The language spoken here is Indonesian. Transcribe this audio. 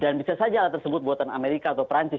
dan bisa saja alat tersebut buatan amerika atau perancis